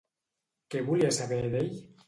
Què volia saber d'ell?